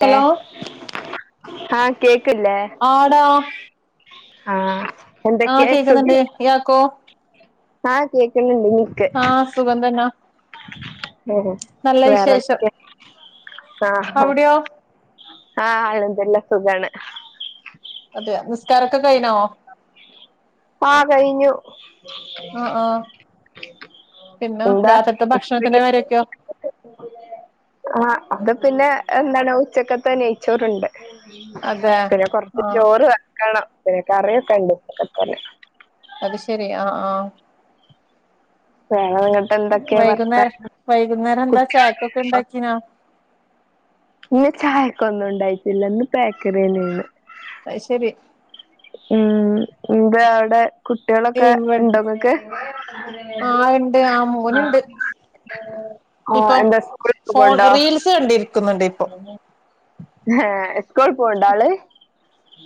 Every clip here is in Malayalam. ഹലോ ആഹ് ആ കേക്ക് ക്കില്ലേ ആടാ ആഹ് ആ എന്തൊക്കെയ കേൾക്കുന്നുണ്ട്. ഇയാക്കോ? ആ കേൾക്കുന്നുണ്ട്. ആഹ് സുഖം തന്നാ നല്ല [inaudible] വേറെ വിശേഷം അവിടെയോ എന്തൊക്കെ നല്ല സുഖാണ്. അതെയോ നിസ്കാരം ഓക്കെ കഴിഞ്ഞോ? ആ കഴിഞ്ഞു. ആ ആ പിന്നെ എന്താ രാത്രിലത്തെ ഭക്ഷണത്തിന്റെ കാര്യം ഒക്കെയോ? ഇവിടെ പിന്നെ ഉച്ചക്കത്തെ നെയ്‌ച്ചോറ്ണ്ട്. അതെ പിന്നെ കുറച്ചു ആഹ് ചോറ് വെക്കണം. ക്കെ കറി ഓക്കെ ഇണ്ട്. തന്നെ അതു ശരി ആ ആഹ് [inaudible] എന്തൊക്കെയാ വൈകുന്നേര വർത്താനം വൈകുന്നേരം എന്താ ചയക്കൊക്കെ കുട്ടികളൊക്കെ ഇണ്ടാക്കീനോ? ഇന്ന് ചായക്കൊന്നും ഇണ്ടായിട്ടില്ല ന്ന് പേക്കറിയെന്നേണ് അത് ശെരി മ്മ് എന്താ അവടെ കുട്ടിയളൊക്കെ ഇവിടെ ഇണ്ടോങ്ങക്ക് ആഹ് ഇണ്ട് ആഹ് മോനുണ്ട് ആ ഇപ്പം എന്താ സ്കൂള്ക് ഫോൺ പോവ്ണ്ടോ റീൽസ് കണ്ടിരിക്കുന്നുണ്ട് ഇപ്പൊ ഏ സ്കൂൾ പോവണ്ടോ ആള്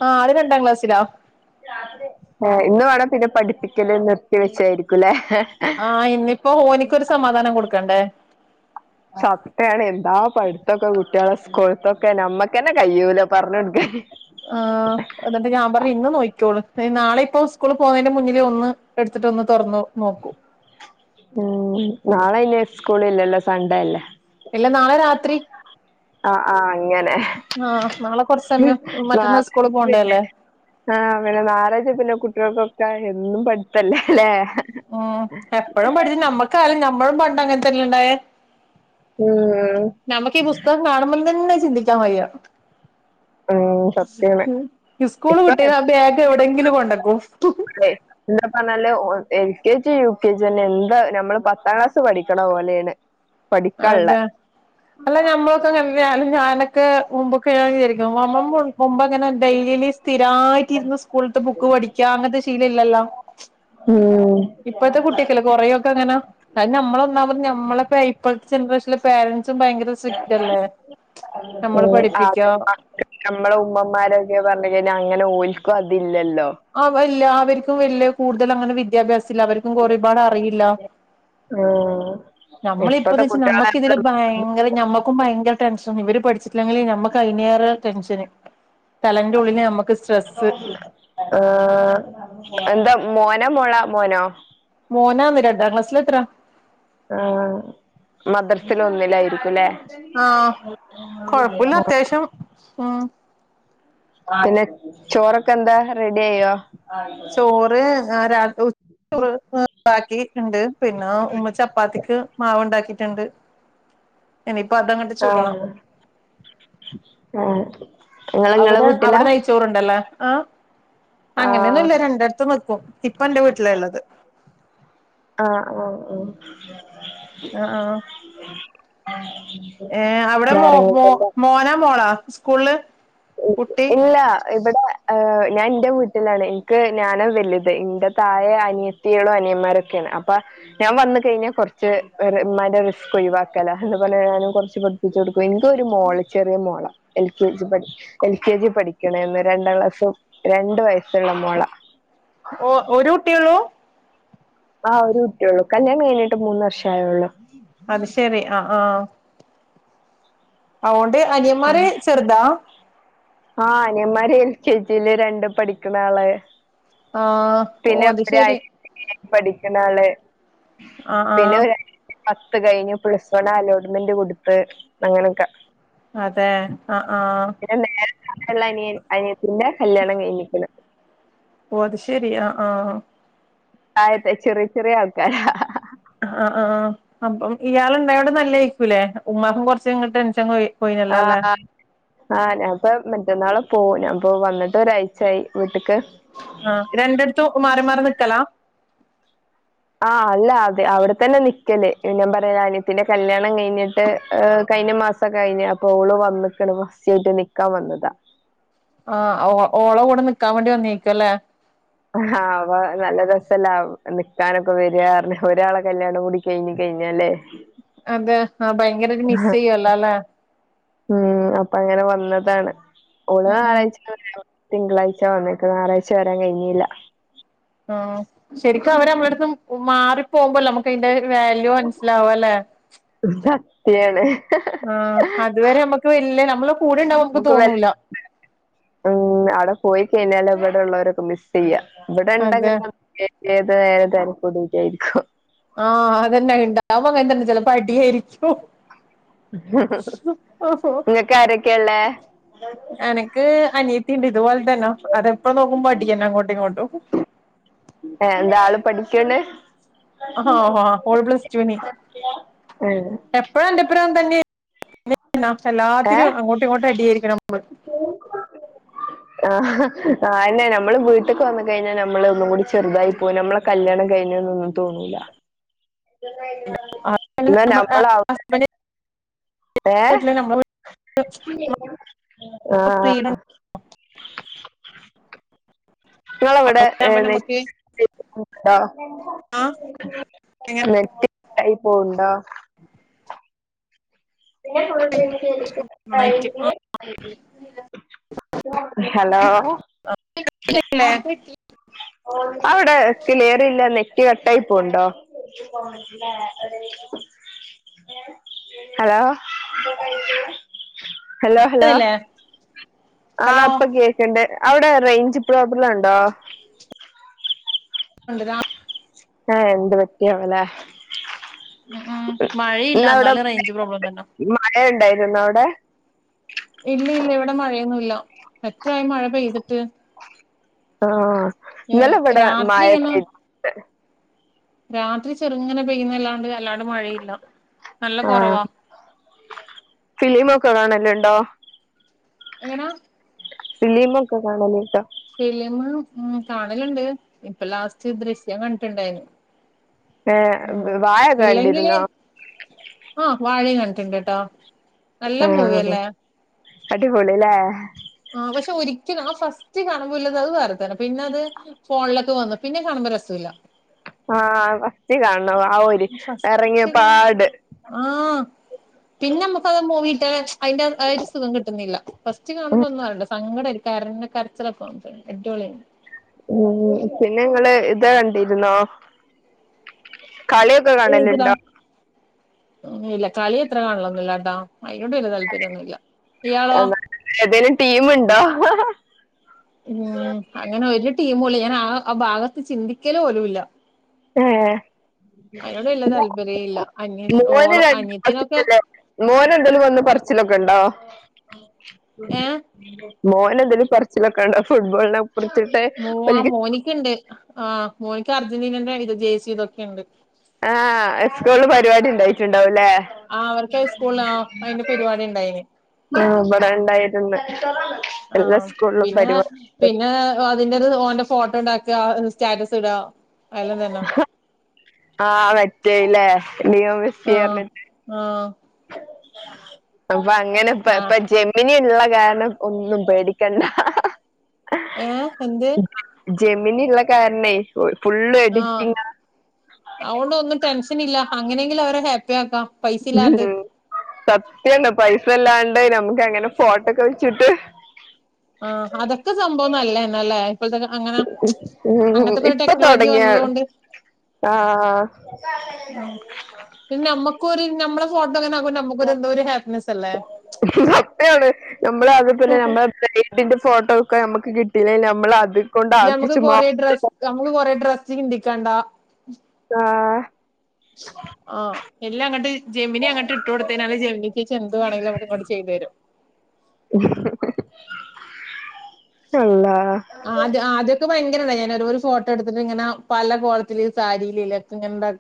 ആഹ് ആള് രണ്ടാം ക്ലാസ്സിലാ ആ ഇന്ന് വേണേ പിന്നെ പഠിപ്പിക്കല് നിർത്തി വെച്ചായിരിക്കുല്ലേ. ആ ഇന്നിപ്പോ ഹോനിക്കൊരു സമാധാനം കൊടുക്കണ്ടേ സത്യാണ് എന്താ പടുത്തൊക്കെ കുട്ട് കുട്ട്യാളെ സ്കൂൾത്തൊക്കെ നമ്മക്കന്നെ കയ്യൂല പറഞ്ഞൊട്ക്കാൻ ആ എന്നിട്ട് ഞാൻ പറഞ്ഞ് ഇന്ന് നോക്കോളൂ നാളെ ഇപ്പോ സ്കൂള പോുന്നതിന്റെ മുന്നിലേ ഒന്ന് എടുത്തിട്ടൊന്ന് തുറന്നു നോക്കും മ്മ് നാളെ അയിന് സ്കൂള് ഇല്ലല്ലോ സൻഡേ അല്ലേ ഇല്ല നാളെ രാത്രി ആ ആഹ് ആങ്ങനെ ആഹ് നാളെ കുറച്ച് സമയം മറ്റന്നാ സ്കൂള് ഞാറാഴ്ച പിന്നെ പോണ്ടല്ലേ ആ ഞാറാഴ്ച കുട്ടികൾക്കൊ ആ എന്നും പഠിത്തം അല്ലേ മ്മ് എപ്പോഴും പഠിച്ച് നമ്മക്കായാലും നമ്മളും പണ്ടങ്ങനെ തന്നെണ്ടായേ ഉം നമ്മുക്ക് ഈ പുസ്തകം കാണുമ്പോൾ തന്നെ ചിന്തിക്കാൻ വയ്യ ഉം സത്യാണ് സ്കൂൾ ഇപ്പൊ വിട്ട്കാണ്ട് ബാഗ് എവിടെങ്കിലും കൊണ്ട് വെക്കും പറഞ്ഞാൽ എൽ കെ ജി യും യു കെ ജി തന്നെ എന്താ നമ്മൾ പത്താം ക്ലാസ് പഠിക്കണ പോലേണ് അതെ അല്ല നമ്മൾ ഒക്കെ ഞാനൊക്കെ മുമ്പൊക്കെകേരി മുമ്പങ്ങനെ ഡെയിലി സ്ഥിരായിട്ടിര്ന്ന് സ്കൂൾത്തെ ബുക്ക് പഠിക്യാ അങ്ങൻത്തൊരു ശീലയില്ലല്ലൊ ഉം ഇപ്പത്തെ കട്ട്യേകല്ലെ കൊറേയൊകങ്ങന അങ്ങനെ ഞമ്മളൊന്നാമത് ഞമ്മൾ ഇപ്പത്തെ ജനറേഷൻ പേരൻസ് നമ്മള് പഠിപ്പിക്കാ നമ്മളെ ഉമ്മമാരൊക്കെ പറഞ്ഞ കഴിഞ്ഞാൽ അങ്ങനെ ഓൽ ഇപ്പ അതില്ലലോ അവർ ലാം അവർക്ക് വലിയ കൂടുതൽ വിദ്യാഭ്യാസം അവർകും ഒരു പാടറിയില്ല ആഹ് ഇപ്പത്തെ ഞമ്മളിപതെച് കുട്ടികളെ ഞമ്മകിതൊരു ഭയങ്കര ഞമ്മകും ഭയങ്കര ടെൻഷ് ഇവര് പഠിച്ചിട്ടില്ലെങ്കില് ഞമ്മക്ക് അതിനേറെ ടെൻഷന് തലന്റെ ഉള്ളില് ഞമ്മക്ക് ഓ ആ എന്താ മോന മോളാ മോനോ മോനാന്ന് രണ്ട് എത്ര ക്ലാസ്സിൽ എത്ര ആ മദ്രസിൽ ഒന്നിലായി ആഹ് കൊഴപ്പില്ല അത്യാവശ്യം മ് പിന്നെ ചോറൊക്കെ എന്താ റെഡി ആയോ ചോറ് ആ രാത്രി ബാക്കി ഇണ്ട് പിന്നെ ഉമ്മ ചപ്പാത്തിക്ക് മാവ് ഉണ്ടാക്കി ഇണ്ട് ഇനിയിപ്പൊ അതങ്ങ് ആഹ് ചൂടണം ആഹ് നിങ്ങള് നിങ്ങളെ അവിടെ വീട്ടിലാ അവിടെ നെയ്ച്ചോറണ്ടല്ലേ ആ ആഹ് അങ്ങനെയൊന്നുല്ല രണ്ടടുത്തും നിക്കും ഇപ്പൊ എന്റെ വീട്ടില ഉള്ളത് ആഹ് അ അ ആഹ് ഏ അവിടെ മോ മോ വേറെങ്ങോട്ടല്ല മോനാ മോളാ? സ്കൂളില് കുട്ടി ഇല്ല ഇവിടെ ഏഹ് ഞാൻ എന്റെ വീട്ടിലാണ് എനിക്ക് ഞാനാ വലുത് എന്റെ തായെ അനിയത്തികളും അനിയന്മാരൊക്കെയാണ് അപ്പൊ ഞാൻ വന്ന് കഴിഞ്ഞാൽ കുറച്ച് ഉമ്മാന്റെ റിസ്ക് ഒഴിവാക്കല്ലാണ് എന്ന് പറഞ്ഞു ഞാനും കുറച്ച് പഠിപ്പിച്ചു കൊടുക്കും. എനിക്കൊരു മോള് ചെറിയ മോളാ എൽ കെ ജി പടി എൽ കെ ജി പഠിക്കണേന്ന് രണ്ടാം ക്ലാസ്സും രണ്ട് വയസ്സുള്ള മോളാ. ഓ ഒരു കുട്ടിയേള്ളൂ? ആഹ് ഒരു കുട്ടിയെ ഉള്ളൂ കല്യാണം കഴിഞ്ഞട്ട് മൂന്ന് വർഷം ആയി അത് ശരി ആഹ് ആഹ് അതുകൊണ്ട് അനിയമാര് ചെറുതാ ആ അനിയന്മാര് എൽ കെ ജിയില് രണ്ടും പഠിക്കണ ആളാ. ആ ഓ പിന്നെ അത് ശെരി ഒരാഴ്ച പഠിക്കണള് ആ ആ പിന്നെ ഒരാ പത്ത് കഴിഞ്ഞ് പ്ലസ്‌ വണ്ണ് അലോട്ട്മെന്റ് കൊടുത്ത് അങ്ങനെയൊക്കെ അതെ ആ ആഹ് പിന്നെ നേരെ താഴെ ഉള്ള അനിയൻ അനി യത്തിന്റെ കല്യാണം കഴിഞ്ഞിക്കണ് ഓഹ് അത് ശെരി ആ ആഹ് ആദ്യത്തെ ചെറിയ ചെറിയ ആൾക്കാരാ ആഹ് ആഹ് ആഹ് അപ്പം ഇയാൾ ഉണ്ടായോണ്ട് നല്ലായിയിരിക്കൂല്ലേ ഉമ്മാക്കും കൊറച്ച്ങ്ങനെ ടെൻഷൻ കുറയും ആഹ് ആഹ് ആഹ് ഞാൻ അപ്പൊ മറ്റന്നാള് പോവും ഞാപ്പൊ വന്നട്ട് ഒരാഴ്ചായി ആഹ് രണ്ടടുത്തും മാറിമാറി നിക്കലാ ആഹ് അല്ല അതെ അവിടെ തന്നെ നിക്കല് ഞാൻ പറഞെര അനയത്തിന്റെ കല്യാണം കഴിഞ്ഞിട്ട് കഴിഞ്ഞ മാസം കഴിഞ്ഞ് അപ്പൊ ഓള് വന്ന്ക്കണ് ഫസ്റ്റ് ആയിട്ട് നിക്കാൻ വന്നതാ ആഹ് ഓ ഓള കൂടെ നിക്കാൻ വേണ്ടി വന്നേക്കുവല്ലേ ആഹ് അപ്പൊ നല്ല രസല്ലേ നിക്കാനൊക്കെ വരുവാ പറഞ്ഞാ ഒരാളെ കല്യാണം കൂടി കഴിഞ്ഞ് കഴിഞ്ഞാല് ലെ അതെ ആഹ് ഭയങ്കര ഒരു മിസ് ചെയ്യുവല്ലോല്ലെ ഉം അപ്പൊ അങ്ങനെ വന്നതാണ് ഓള് ഉം ഉം ആഴ്ചേല് [unintelligible] തിങ്കളാഴ്ച വന്ന്ക്ക് ഞായറാഴ്ച വരാൻ കഴിഞ്ഞില്ല. ആഹ് ശെരിക്കും അവര് നമ്മളടത്ത് മാറിപ്പോവുമ്പല്ലെ നമുക്കയിന്റെ വാല്യൂ മൻസിലാവല്ലേ സത്യാണ് ആഹ് അത് വരെ നമ്മക്ക് വെല്ല്യെ നമുക്ക് വേണ്ട ഉം അവിടെ പോയി കഴിഞ്ഞാലൊ അവിടെ ഉള്ളവരൊക്കെ മിസ് ചെയ്യാ അതെ ഇവിടെണ്ടെങ്കിൽ [inaudible] ഏത് നേരോ തല്ലിക്കൂടിയിട്ടായിരിക്കും ആഹ് അതന്നെ ഇണ്ടാവും അങ്ങനെ തന്നെ ചിലപ്പോ അടിയായിരിക്കും ഇങ്ങക്ക് ആരൊക്കെയാ ഇള്ളേ എനക്ക് അനിയത്തി ഇണ്ട് ഇതുപോലെ തന്നെ അതെപ്പൊ നോക്കുമ്പോ അടിയെന്നെ അങ്ങോട്ടും ഇങ്ങോട്ടും ഏഹ് എന്താ ആള് പഠിക്ക്ണ്ട് ആഹ് ഓള് പ്ലസ് ടുന് ഏഹ് പറം തന്നെ [inaudible] [unintelligible] എല്ലാത്തിനും ഏഹ് അങ്ങോട്ടും ഇങ്ങോട്ട് അടിയായിരിക്കണം നമ്മള് ആ അയെന്നെ ഞമ്മള് വീട്ട്‌ക്ക് വന്ന് കഴിഞ്ഞാ ഞമ്മള് ഒന്നും കൂടി ചെറുതായി പോവും നമ്മളെ കല്യാണം കഴിഞ്ഞുനൊന്നും തോന്നൂല [inaudible] എന്നാ ഞമ്മള് ഹസ്ബൻഡ് ഏ നമ്മള് ആഹ ഫ്രീഡം നിങ്ങളവിടെ ഉണ്ടാകുമ്പോ ഏഹ് നമുക്ക് [inaudible] ഡാ ആഹ് എങ്ങനെ നെട്ടി [unintelligible] പോവ്ണ്ടോ [inaudible] നന്നായിട്ട് ഹലോ ല്ലേ ആവിടെ ക്ലിയർ ഇല്ലന്നേ റ്റ് കട്ടായിപൊവ്ണ്ടോ ഹലോ ഹലോ ഹലോ കേക്കുന്നില്ലേ ആഹ് ഹലോ ഇപ്പൊ കേക്ക്ണ്ട് അവിടെ റെയ്ഞ്ച് പ്രോബ്ലം ഉണ്ടോ ഉണ്ട് രാ ഏ എന്ത് പറ്റി ആവൂലേ ഉം ഉം മഴയില്ല ഇന്നവടെ എന്നാലും റേഞ്ച് പ്രോബ്ലം തന്നെ [inaudible] മഴ ഇണ്ടായി [unintelligible] ടെ ഇല്ല ഇല്ല ഇവിടെ മഴയൊന്നും ഇല്ല എത്രയായി മഴ പെയ്തിട്ട് ആ ഏഹ് ഇന്നലെ വെടെ രാത്രി മഴ ഇങ്ങനെ പെയത് രാത്രി ചെർങ്ങനെപെയ്യും ന്നല്ലാണ്ട് അല്ലാ ടെ മഴയില്ല നല്ല ആ കുറവാ ന്നെണ്ടോ എങ്ങനാ [unintelligible] ട്ടോ ഫിലീമ് ഉം കാണല്ണ്ട് ഇപ്പം ലാസ്റ്റ് ദൃശ്യം കണ്ടിട്ട്ണ്ടായിരുന്നു. ങ വാ എതാണ്ടിരുന്നൊ? [unintelligible] ണ്ടേട്ട. ങഅ അടിപൊളില്ലേ? ങ പക്ഷെ ഒരിക്കലും ആഫസ്റ്റ് കാണുമ്പോൾ ഉളത് അത് വേറെ തരം, പിന്നെ അത് മോൾ ലത്ത് വന്ന് പിന്നെ ഈ ഹാനുമ്പ രസ ഇല്ല. ങാ ഫസ്‌റ്റ് കാണു [unintelligible] ങാ പിന്നഹുക്ക് അത് മൂവി [unintelligible] അയിൻ്റആയ് സുഖം കിട്ടുന്നില്ല ഫസ്റ്റ് ഉം, കാണുമ്പംഒന്നു അറിഞ്ഞുകൂടാ സങ്കടം ആയിരിക്കും. കരഞ്ഞ് കരച്ചിലൊക്കൊ [unintelligible] ഉം പിന്നെ നിങ്ങള് ഇത് കണ്ടിരുന്നൊ? കളിയൊക്കെ കണ്ടിട്ടുണ്ടോ? ഇല്ലില്ല കളി ഇത്ര കാര്യം ഇല്ലല്ല. എത്ര കണ്ടിരുന്നു ഇയ്യാളോ എന്നാ, ഏതേലും ടീമുണ്ടോ ഉംഅ അങ്ങനെ ഒരു ടീമുകളി ഇങ്ങനെയാവും ആ ഭാഗത്ത് ചിന്തിക്കല് പോലുംമില്ല. ങ്അ താല്പര്യ ഇല്ല അനി മ് മോന് ഓള [unintelligible] അനിയത്തിനൊക്കെ മോന്എന്തേലും വന്നു പറച്ചിൽ ഒക്കെ ഒണ്ടോ? ഏ [unintelligible] [unintelligible] മോന് എന്തെലും പറച്ചിൽ ഒക്കെ ഉണ്ടോ ഫുട്ബോളിനെ കുറിച്ചിട്ട് മുവാ ഓൽക്ക് മോനിക്ക് ഉണ്ട്, ങ മോ സർജനെ കണ്ട് ആണിത് [unintelligible] ങ എസ്‌കൂള് പരിപാടി ഉണ്ടായിട്ട് ഉണ്ടാവുല്ലേ? ങ അവർക്ക് ഇസ്‌കൂളിലഅതിന്റെ പരിപാടിയുണ്ടായിനു. ങഇവിടെ ഉണ്ടായിട്ടുണ്ട്. ആഹ പിന്നെ ഉണ്ട് പിന്നെ അതിൻ്റെത് ഓന്റെ ഫോട്ടോ ഉണ്ടാക്കുക, സ്റ്റാറ്റസ് ഇടുക. ആഹ മെറ്റല്ലേ? മിയ ബസ് ആ ചെയർന്നട്ട്. ആ [unintelligible] അപ്പൊ അങ്ങനെ ആ ഇപ്പ ജമിനി ഇ ഉള്ള കാലം ഒന്നും പേടിക്കണ്ട. [unintelligible] ഏ എന്ത്? ജമീനള്ള കാരണേ ഓയ ആഹ അതൊണ്ട ഒന്ന് ടെൻസ് അങ്ങനില്ല അങ്ങനെയെങ്കിലും അവരെ ഹാ [unintelligible] ആക്കാം പൈസ ല്ലാണ്ട് സത്യണ് പൈസ ഇല്ലാണ്ട് നമക്ക് അങ്ങനെ ഫോട്ടോക്കെ വെച്ചിട്ട് ആഹ് അതൊക്കെ സംഭവം ന്നല്ലെന്നെല്ലേ ഇപ്പഴ്‌ത്തൊക്കെ അങ്ങനെ ഉം അങ്ങൻത്തെക്കൊരു ഇപ്പൊ ടെക്നോളജി തുടങ്ങിയാണ് വന്നതോണ്ട് ആഹ് ആഹ് പിന്നമ്മക്കൊര് ഞമ്മളെ ഫോ അപ്പഴാണ് നമ്മളെ അത് പോലെ നമ്മളെ പിന്നെ [unintelligible] നിന്റെ ഫോട്ടോ ക്കെ നമക്ക് കിട്ടി [unintelligible] നമ്മളാത് നമക്ക് കൊറെ ഡ്രസ്സ് നമക്ക് കൊറെ ഡ്രസ്സ് ട് ക്കണ്ടാ. ആഹ് ആഹ് എല്ലാങ്ങട്ട് ജെമിനി അങ്ങട്ട് ഇട്ട് കൊട്ത്തയ്ഞാല് ജെമിനിച്ചേച്ചിഎന്തു വേണെങ്കിലും ഞമ്മക്ക് അങ്ങോട്ട് ചെയ്തെരും. അള്ളാ ആ അത് ആദ്യൊക്കെ ഭയങ്കരത ഞാന് ഒരു ഫോട്ടോ എടുത്ത്ട്ട്ങ്ങനെ പല കോലത്തില് സാരിയിലി [unintelligible]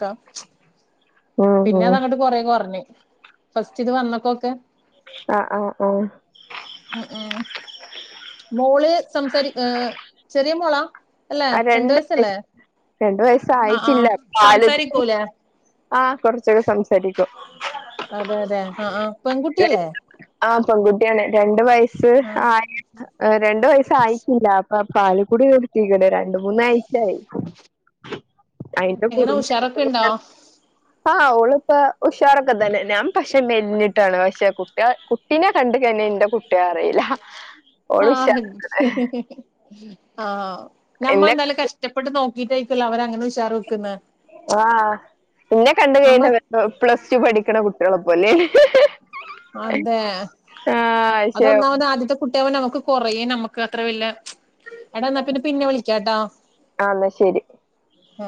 ഉം പിന്നെ ഉം തങ്ങട്ട് കൊറേ കൊറഞ്ഞു ഫസ്റ്റ് ഇത് വന്നപ്പോക്കെ ആഹ് ആഹ് ആഹ് ഉം ഉം മോള് സംസാരി ഏഹ് ചെറിയ മോളാ? അല്ലേ ആ രണ്ട് വയസ്സല്ലേ വയസ് രണ്ട് ആഹ് ആഹ് വയസ്സായിട്ടില്ലാ പാല് സംസാരിക്കൂലേ [unintelligible] ആഹ് കൊറച്ചൊക്കെ സംസാരിക്കും അതെ അതെ അ ആഹ് പെൺകുട്ടിയല്ലേ രണ്ട് ആ പെൺകുട്ടിയാണ് രണ്ടു വയസ്സ് സ്സ് ആഹ് ആയി രണ്ടു വയസ്സ് ആയിട്ടില്ല അപ്പൊ പാലുകുടി നിർത്തിയിക്ക്‌ണ് രണ്ട് മൂന്നാഴ്‌ചയായി അയിന്റെ എങ്ങനെ കുറു ഉഷാറൊക്കെ ഉണ്ടോ [unintelligible] ആഹ് ഓളിപ്പ ഉഷാറൊക്കെണ്ട് തന്നെ ഞാൻ പക്ഷെ മെലിഞ്ഞിട്ടാണ് പക്ഷെ കുട്ട്യാ കുട്ടിനെ കണ്ട് കഴിഞ ഇന്റെ കുട്ടിയാ പറയില്ല ആഹ് അത് ആഹ് നമ്മെന്താലും കഷ്ടപ്പെട്ട് നോ ഈ ടൈപ്പുള്ള അവരങ്ങ ആ ന്നെ കണ്ട് നമ്മ കഴിഞ്ഞ പ്ലസ് ടു പഠി ക്കണ കുട്ട്യാളെ പോലെ അതെ പക്ഷെ അതൊന്നാമത് ആദ്യത്തെ കു ട്ടി നമുക്ക് കൊറയേ നമുക്ക് അത്ര വല്യെ എടാ എന്നാ പിന്നെ പിന്നെ വിളിക്കാട്ടോ ആഹ് എന്നാ ശരി ആ